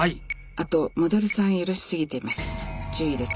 あとモデルさん揺らし過ぎてます。